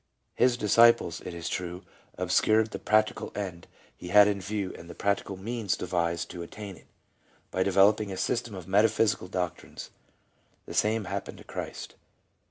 His disciples, it is true, obscured the practical end he had in view and the practical means devised to attain it, by developing a system of metaphysical doctrines ; the same happened to Christ.